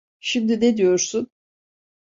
Şimdi ne diyorsun?